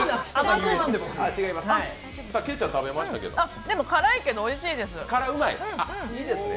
ケイちゃん、食べましたけど辛いけどおいしいです。